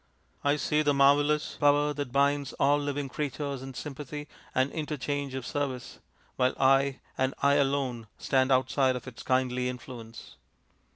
I see the marvellous power that binds all living creatures in sympathy and interchange of service, while I, and I alone, stand outside of its kindly influence.